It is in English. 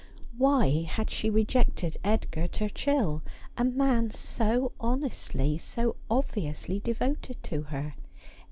Why had she rejected Edgar Turchill, a man so honestly, so obviously devoted to her